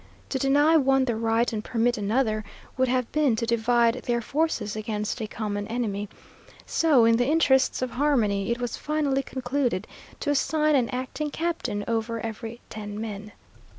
To deny one the right and permit another, would have been to divide their forces against a common enemy; so in the interests of harmony it was finally concluded to assign an acting captain over every ten men.